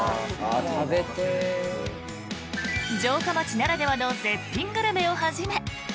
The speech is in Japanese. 城下町ならではの絶品グルメをはじめ。